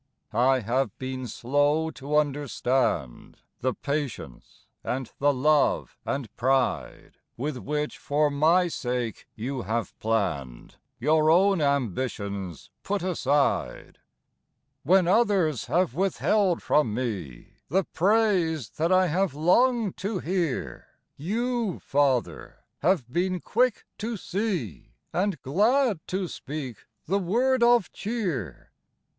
I have been slow to understand The patience and the love and pride "With which for my sake you have hour own ambitions put aside. from me The praise that I have longed to hear, Y>u, Father, have been quick to see Ar^d glad to speak the word of cheer.